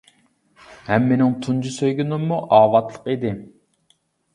ھەم مېنىڭ تۇنجى سۆيگىنىممۇ ئاۋاتلىق ئىدى.